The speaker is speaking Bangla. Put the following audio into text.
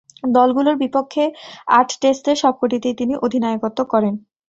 দলগুলোর বিপক্ষে আট টেস্টের সবকটিতেই তিনি অধিনায়কত্ব করেন।